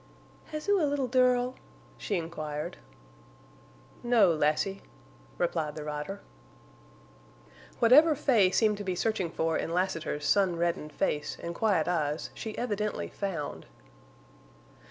"Has oo a little dirl?" she inquired. "No, lassie," replied the rider. Whatever Fay seemed to be searching for in Lassiter's sun reddened face and quiet eyes she evidently found.